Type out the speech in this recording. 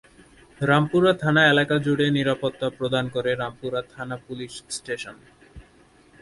রামপুরা থানা এলাকাজুড়ে নিরাপত্তা প্রদান করে রামপুরা থানা পুলিশ স্টেশন।